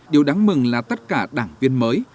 điều đáng mừng là tất cả đảng viên mới